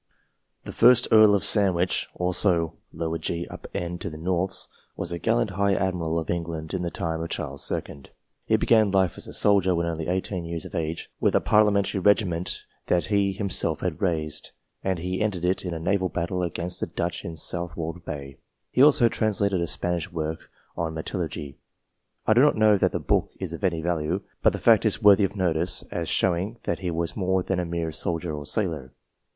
The first Earl of Sandwich, also gN. to the Norths, was the gallant High Admiral of England in the time of Charles II. He began life as a soldier, when only eighteen years of age, with a Parliamentary regiment that he himself had raised ; and he ended it in a naval battle against the Dutch in Southwold Bay. He also translated a Spanish work on Metallurgy. I do not know that the book is of any value, but the fact is worthy of notice as showing that he was more than a mere soldier or sailor.